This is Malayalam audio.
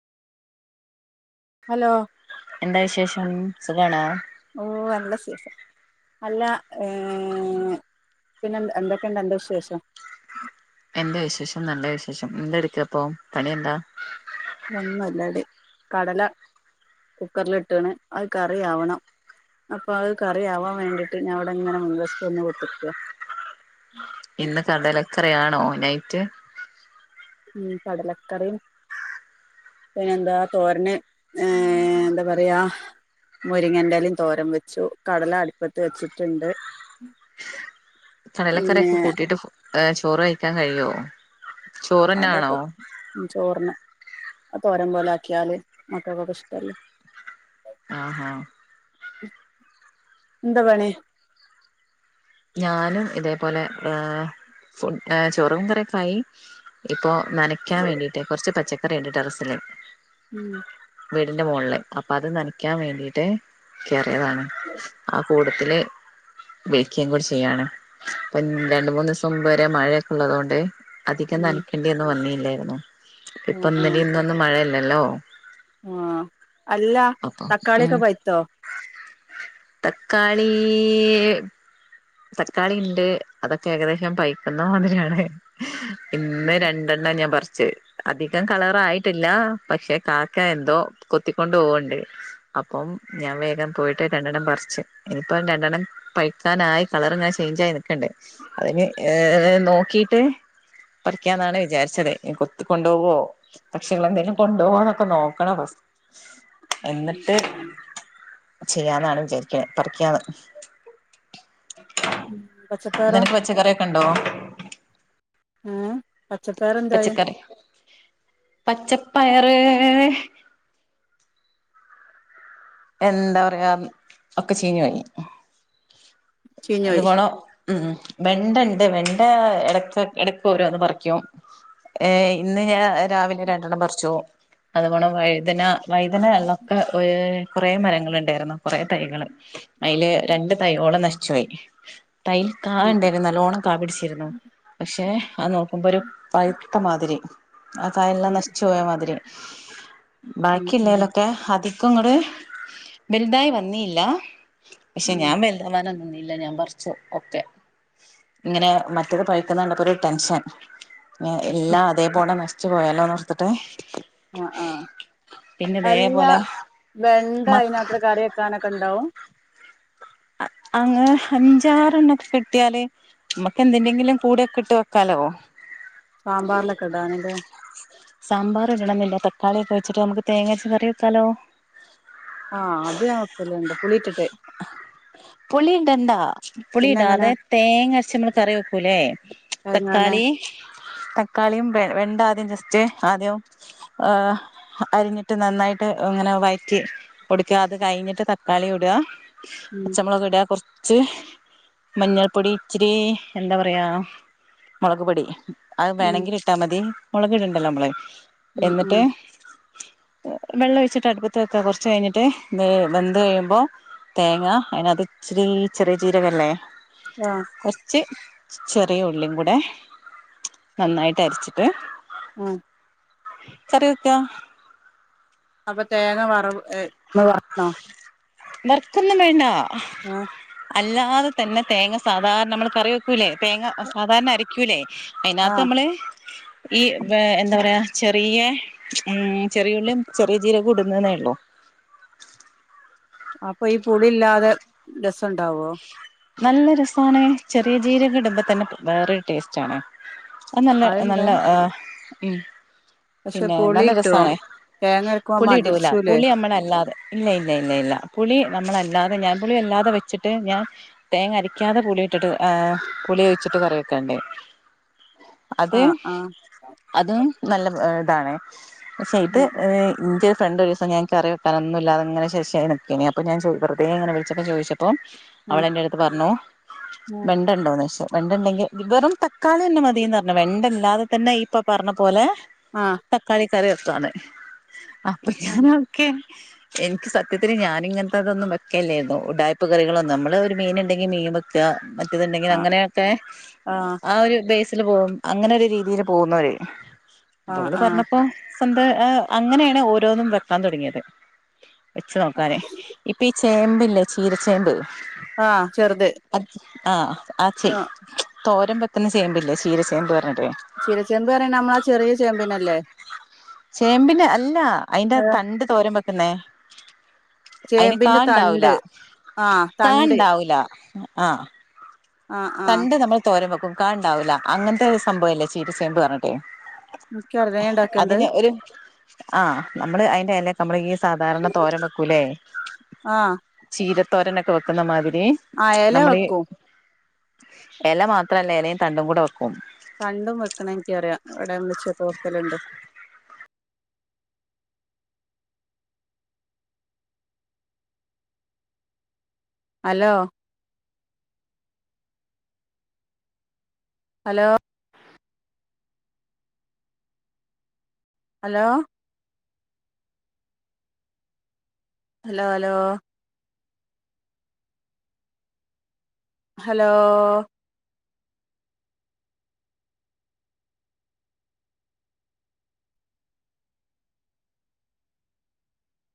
ഹലോ എന്താ വിശേഷം സുഖാണോ? ഓഹ് അല്ല സുഖ അല്ലാഹ് ഏഹ് പിന്നെ എന്തക്കണ്ട് അന്റ വിശേഷം? എന്റെ വിശേഷം നല്ല വിശേഷം എന്തട്ക്കാപ്പൊ പണിയെന്താ? ഒന്നുല്ലെടി കടല കുക്കറില്ട്ട്ണ് അത് കറിയാവണം അപ്പൊ അത് കറിയാവാം വേണ്ടിയിട്ട് ഞാൻ ഇവിടെങ്ങനെ മുൻ വശത്ത് വന്ന് കുത്തർക്ക ഇന്ന് കടലക്കറിയാണോ നൈറ്റ്? ഉം കടലക്കറിം പിന്നെന്താ തോരന് ഏഹ് എന്താ പറയാ മുരിങ്ങന്റെ എലയും തോരം വെച്ചു കടല അടുപ്പത്ത് വെച്ചിട്ടുണ്ട് പിന്നെ കടലക്കറിയൊക്കെ കൂട്ടിയിട്ട് ഫു ഏഹ് ചോറ് കഴിക്കാൻ കഴിയോ? ചോറ്ന്നാണോ അതൊക്കെ പ ഉം ചോറിന് അത് തോരം പോലെ ആക്കിയാല് മക്കക്കെക്കെ ഇഷ്ട്ടല്ലെ ആഹ് ആഹ് എന്ത പണി? ഞാനും ഇതേപോലെ ഏഹ് ഫുഡ് ചോറും കറിയൊക്കായി ഇപ്പൊ നനക്കാൻ വേണ്ടിയിട്ട് കൊറച്ച് പച്ചക്കറിയിണ്ട് ടെറസില് ഉം വീടിന്റെ മോളില് അപ്പൊ അത് നനക്കാൻ വേണ്ടീട്ട് കയറിതാണ് ആ കൂട്ടത്തില് ക്കും കൂടെ ചെയ്യാണ് ഇപ്പം രണ്ട് മൂന്ന് ദിവസം മുമ്പ് വരെ മഴയൊക്കെ ഇള്ളതുകൊണ്ട് അധികം ഉം നന ക്കെണ്ടിയൊന്നും വന്നി ഇല്ലായിരുന്നു ഇപ്പൊ ആഹ് ആഹ് ഇന്നലിം ഇന്നൊന്നും മഴയില്ലല്ലോ? ആഹ് അല്ല തക്കാളിയൊക്കെ പഴിത്തോ? തക്കാളീ തക്കാളിയിണ്ട് അതൊക്കെ ഏകദേശം പയ്ക്കുന്ന മാതിരിയാണ് ഇന്ന് രണ്ടെണ്ണം ഞാൻ പറിച്ച് അധികം കളറായിട്ടില്ല പക്ഷെ കാക്ക എന്തോ കൊത്തിക്കൊണ്ട് പോവ്ണ്ട് അപ്പം ഞാൻ വേഗം പോയിട്ട് രണ്ടെണ്ണം പറിച്ച് ഇനിയിപ്പം രണ്ടെണ്ണം പഴിക്കാനായി കളറിങ്ങനെ ചെയ്ഞ്ചായി നിക്ക്ണ്ട് അതിഞ്ഞ് ഏഹേ നോക്കിയിട്ട് പറിക്കാന്നാണ് വിചാരിച്ചത് ഇനി കൊത്തി കൊണ്ടോവോ പക്ഷികളെന്തേലും കൊണ്ടോവോന്നൊക്കെ നോക്കണം ഫസ്റ്റ് ഉം എന്നിട്ട് ഉം ചെയ്യാന്നാണ് വിചാരിക്ക്ണ പറിക്കാന്ന് ഉം പച്ചപ്പയറ നിനക്ക് പച്ചക്കറിയൊക്കെ ഇണ്ടോ? ഏഹേ? പച്ചക്കറി പച്ചപ്പയറ് എന്താ പറയാ ഒക്കെ ചീഞ്ഞോയി അത് ചീഞ്ഞോയി വളം ഉം വെണ്ട ഇണ്ട് വെണ്ട എടക്ക് ഓരോന്ന് പറിക്കും ഏഹേ ഇന്ന് ഞാൻ രാവിലെ രണ്ടെണ്ണം പറിച്ചു അതുപോണം വഴുതന വഴ്തന ഒക്കെ ഏഹ് കൊറേ മരങ്ങള് ഇണ്ടായിരുന്നു കൊറേ തൈകള് അയില് രണ്ട് തൈയോളം നശിച്ചുപോയി തൈ കായ ഉം ഇണ്ടായിരുന്നു നല്ലോണം കാ പിടിച്ചിരുന്നു പക്ഷെ അത് നോക്കുമ്പോ ഒരു പഴുത്തമാതിരി ആ കായെല്ലാം ഉം നശിച്ചു പോയ മാതിരി ഉം ബാക്കി ഉം ഇല്ലേലൊക്കെ അധികം ഇങ്ങട് വലുതായി വന്നിയില്ല പക്ഷെ ഉം ഞാൻ വലുതാവനൊന്നും നിന്നില്ല ഞാൻ പറിച്ചു ഒക്കെ ഇങ്ങനെ മറ്റേത് പഴുത്തത് കണ്ടപ്പോ ഒരു ടെൻഷൻ എല്ലാം അതേപോണെ നശിച്ചു പോയല്ലോന്ന് ഓർത്തിട്ട് ആഹ് ആഹ് അല്ല വെണ്ട മ അതിനാത്രം കറി വെക്കാനൊക്കെ ഇണ്ടാവും? അഹ് അങ്ങനെ അഞ്ചാറ് എണ്ണക്കൊ കിട്ടിയാല് നമ്മക്ക് എന്തിന്റെങ്കിലും കൂടെയൊക്കെ ഇട്ട് വെക്കാലോ? സാമ്പാറിലൊക്കെ ഇടാന്ല്ലേ? സാമ്പാറ് ഇടണം എന്നില്ല തക്കാളി ഒക്കെ വച്ചിട്ട് നമുക്ക് തേങ്ങരച്ച കറി വെക്കാലോ ആഹ് അത് ഞാൻ വെക്കല്ണ്ട് പുളി ഇട്ടിട്ട് പുളി ഇടണ്ടാ പുളി പിന്നെ എങ്ങനെ ഇടാതെ തേങ്ങ അരച്ച് നമ്മള് കറി വെക്കൂല്ലേ എങ്ങനെ തക്കാളി തക്കാളിയും വെ വെണ്ട ആദ്യം ജസ്റ്റ് ആദ്യം ആ അരിഞ്ഞിട്ട് നന്നായിട്ട് ഇങ്ങനെ വയറ്റി കൊടുക്കുക അത് കഴിഞ്ഞിട്ട് തക്കാളി ഇടുക, ഉം പച്ചമുളക് ഇടുക കുറച് ഇച്ചിരി മഞ്ഞൾപ്പൊടി ഇച്ചിരി എന്താ പറയാ മുളക് പൊടി അത് ഉം വേണെങ്കിൽ ഇട്ടാ മതി മുളക് ഇട്ണ്ടല്ലോ നമ്മള് ഉം ഉം എന്നിട്ട് വെള്ളം ഒഴിച്ചിട്ട് അടുപ്പത്ത് വെക്കാ കുറച്ച് കഴിഞ്ഞിട്ട് വെ വെന്ത് കഴിയുമ്പോൾ തേങ്ങ അതിനകത്ത് ഇച്ചിരി ഈ ചെറിയ ജീരകല്ലേ ആഹ് കുറച്ച് ചെറിയുള്ളികൂടെ നന്നായിട്ട് അരച്ച്ട്ട് ആഹ് കറിവെക്കാ അപ്പൊ തേങ്ങ വറവ് വറക്കണോ വർക്കൊന്നും വേണ്ടാ ആഹ് അല്ലാതെ തന്നെ തേങ്ങ സാധാരണ നമ്മള് കറി വെക്കൂലേ തേങ്ങ സാധാരണ അരക്കൂലേ അയ്നാത് ആഹ് നമ്മള് ഈ വേ എന്താ പറയാ ചെറിയ്യ ചെറിയുള്ളീം, ചെറിയ ജീരകം ഇടുന്നെ ഉള്ളൂ അപ്പൊ ഈ പുളി ഇല്ലാതെ രസ ഉണ്ടാവോ നല്ല രസാണ് ചെറിയ ജീരക ഇട്മ്പോ തന്നെ വേറൊരു ടേസ്റ്റ് ആണ് അഹ് നല്ല അതുണ്ടോ നല്ല ആഹ് ഉം പക്ഷെ പിന്നെ പുളി നല്ല ഇട്ടോ രസാണേ തേങ്ങ അരക്കുമ്പോ പുളി ഇടൂല മതിരിച്ചൂലേ പുളി അമ്മള അല്ലാതെ ഇല്ല ഇല്ല ഇല്ല ഇല്ല പുളി നമ്മളല്ലാതെ ഞാന് പുളി അല്ലാതെ വെച്ച്ട്ട് ഞാൻ തേങ്ങ അരക്കാതെ പുളി ഇട്ടിട്ട് ആഹ് പുളി ഒഴിച്ചിട്ട് കറി വെക്കണ്ടേ അത് ആഹ് ആഹ് അതും നല്ല ഇതാണ് പക്ഷെ ഇത് ഇന്റെ ഒരു ഫ്രണ്ട് ഒരു ദിവസം ഞാൻ കറി വക്കാനൊനും ഇല്ലാതെ ഇങ്ങനെ ശശി നിക്കെനി അപ്പ ഞാൻ വെറുതെ ഇങ്ങന വിളിച്ചപ്പോ ചോദിച്ചപ്പോ അവള് ആഹ് എന്റെ പറ്ഞ്ഞു വെണ്ട് വണ്ടണ്ടോന്ന് ചോയ്ച്ചു വെണ്ടണ്ടെങ്കിൽ വെറും തക്കാളി തന്നെ മതിന്ന് പറ്ഞ്ഞു വെണ്ടല്ലാതെ തന്നെ ഇപ്പൊ പറഞ്ഞ പോലെ ആഹ് തക്കാളി കറി വെക്കാന് അപ്പൊ ആഹ് ഞാനൊക്കെ എനിക്ക് സത്യത്തിന് ഞാന് ഇങ്ങൻത്തെതൊന്നും വെക്കല്ലാരുന്നു ഉടായ്പ്പ് കറികളൊന്നും നമ്മള് ഒരു മീൻ മീൻ വെക്കാ മറ്റത്ണ്ടെങ്കിൽ ആഹ് അങ്ങനെയൊക്കെ ആഹ് ആഹ് ആ ഒരു ബെയ്സ് പോവും അങ്ങനെ ഒരു രീതിൽ പോകുന്നവര് ഇപ്പൊ ആഹ് ഇവള് ആഹ് പറഞ്ഞപ്പോ സ്വന്ത അ അങ്ങനെയാണ് ഓരോന്നും വെക്കാൻ തുടങ്ങിയത് വെച്ചു നോക്കാന് ഇപ്പൊ ഈ ചേമ്പില്ലേ ചീര ചേമ്പ് ആഹ് ചെറ്ത് അത് ആഹ് ആ ചെയ് തോരൻ വെക്ക്ണ ചേമ്പ് ലേ ചീര ചേമ്പ് ന്ന് പറഞ്ഞിട്ട് ചീര ചേമ്പ് പറയ്ണ നമ്മളെ ആ ചെറിയ ചേമ്പിനല്ലേ ചേമ്പ്ന് അല്ല അയ്ന്റെ ഏഹ് തണ്ട് തോരം വെക്ക്ന്നേ അയ്ന് കാ ചേമ്പിന്റെ ഇണ്ടാവൂല തണ്ട് ആഹ് കാ തണ്ട് ഇണ്ടാവൂല ആഹ് ആഹ് ആഹ് തണ്ട് നമ്മൾ തോരം വെക്കും കാ ഇണ്ടാവൂല്ല അങ്ങൻത്തെ ഒരു സംഭവം ഇല്ലേ ചീര ചേമ്പ് പറഞ്ഞിട്ട് എനിക്കറിയാം ഉണ്ടാക്കണ്ട് അതിന് ഒരു ആഹ് നമ്മള് അയ്ന്റെ എല നമ്മളി ഈ സാധാരണ തോരം വെക്കൂല്ലേ ആഹ് ചീരത്തോരനൊക്കെ വെക്കുന്നമാതിരി ആഹ് എല വെക്കും എല മാത്രല്ല എലയും തണ്ടും കൂടെ വെക്കും തണ്ടും വെക്ക്ണ ഇന്ക്ക് അറിയാം ഇവ്ടെ ഇമ്മച്ചിക്കെ വെക്കല്ണ്ട് hello hello hello hello hello hello